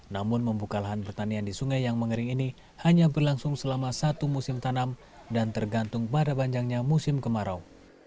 namun membuka lahan pertanian di sungai yang mengering ini hanya berlangsung selama satu musim tanam dan tergantung pada panjangnya musim kemarau